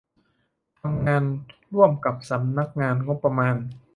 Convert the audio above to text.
ทำงานร่วมกับสำนักงบประมาณ